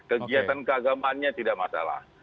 kegiatan keagamannya tidak masalah